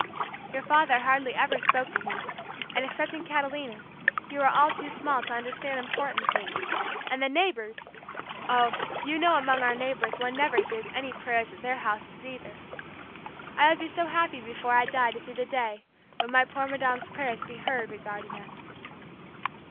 Your father hardly ever spoke to me, and excepting Catalina, you were all too small to understand important things, and the neighbors! Oh, you know among our neighbors one never hears any prayers at their houses either. I would be so happy before I die to see the day when my poor madame's prayers be heard regarding us."